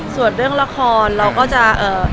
ส่วนเรื่องละครเราก็จะเอ่อ